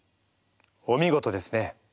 お見事ですね。